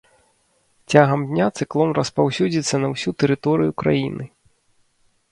Цягам дня цыклон распаўсюдзіцца на ўсю тэрыторыю краіны.